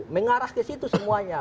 mengarah ke situ semuanya